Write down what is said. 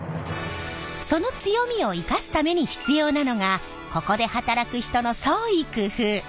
その強みを生かすために必要なのがここで働く人の創意工夫。